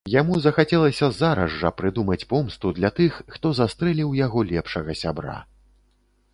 Яму захацелася зараз жа прыдумаць помсту для тых, хто застрэліў яго лепшага сябра.